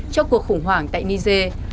cho cuộc khủng hoảng tại niger